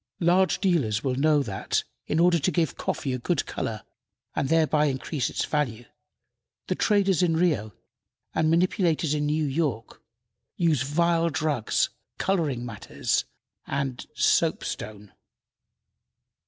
Large dealers well know that, in order to give coffee a good color and thereby increase its value, the traders in Rio and manipulators in New York use vile drugs, coloring matter, and soapstone.